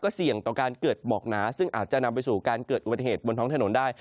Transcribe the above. เสี่ยงต่อการเกิดหมอกหนาซึ่งอาจจะนำไปสู่การเกิดอุบัติเหตุบนท้องถนนได้